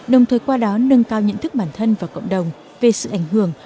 đồng thời qua đó nâng cao nhận thức bản thân và cộng đồng về sự ảnh hưởng